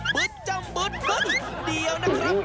บึ๊ดจำบึ๊ดเฮ่ยเดี๋ยวนะครับ